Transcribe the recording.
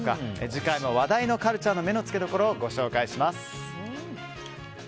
次回も話題のカルチャーの目のつけどころをご紹介します。